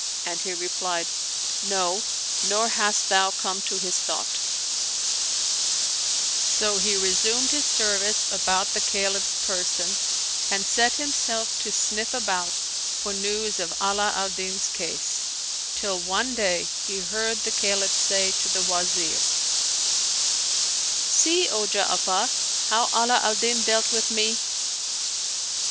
" and he replied, " No, nor hast thou come to his thought." 147 Oriental Mystery Stories So he resumed his service about the Caliph's person and set himself to sniff about for news of Ala al Din's case, till one day he heard the Caliph say to the Wazir, " See, O Ja'afar, how Ala al Din dealt with me